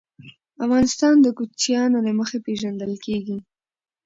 افغانستان د کوچیانو له مخې پېژندل کېږي.